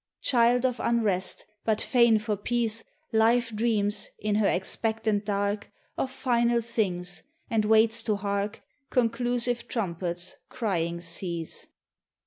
Child of unrest, but fain for peace, Life dreams, in her expectant dark, Of final things, and waits to hark Conclusive trumpets crying cease.